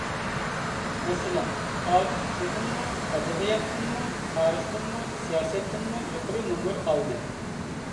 مەسىلەن: ئادىل تىلدىنمۇ، ئەدەبىياتتىنمۇ، تارىختىنمۇ، سىياسەتتىنمۇ يۇقىرى نومۇر ئالدى.